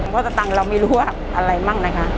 เพราะตั้งเรามีรวบอะไรบ้างนะคะ